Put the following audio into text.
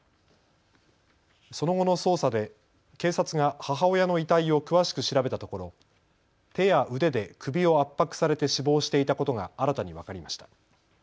その後の捜査で警察が母親の遺体を詳しく調べたところ手や腕で首を圧迫されて死亡していたことが新たに分かりました。